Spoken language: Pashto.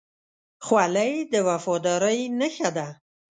خولۍ د وفادارۍ نښه ده.